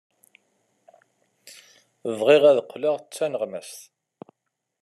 Bɣiɣ ad qqleɣ d taneɣmast.